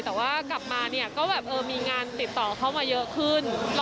แต่ว่ากลับมาเนี่ยก็แบบมีงานติดต่อเข้ามาเยอะขึ้น